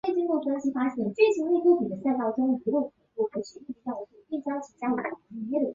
而火山渣锥本身也因为构造太为松散而无法支撑剧烈的喷发。